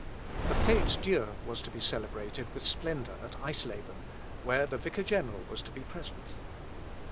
The Fête Dieu was to be celebrated with splendour at Eisleben, where the vicar general was to be present.